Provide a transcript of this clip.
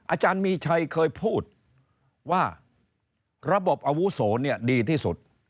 อาจารย์มีชัยเคยพูดว่าระบบอาวุโสเนี่ยดีที่สุด